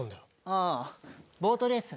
ああボートレース。